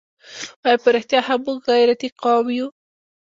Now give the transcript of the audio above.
آیا په رښتیا هم موږ غیرتي قوم یو؟